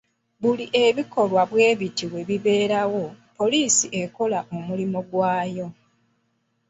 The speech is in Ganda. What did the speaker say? Buli ebikolwa bwe biti bwe bibeerawo, poliisi ekola omulimu gwayo.